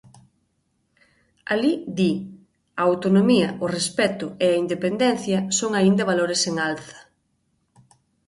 Alí, di, "a autonomía, o respecto e a independencia son aínda valores en alza".